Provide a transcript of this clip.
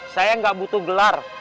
saya enggak butuh gelar